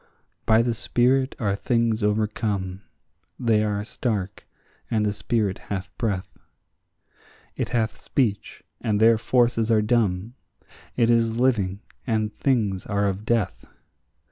By the spirit are things overcome; they are stark, and the spirit hath breath; It hath speech, and their forces are dumb; it is living, and things are of death.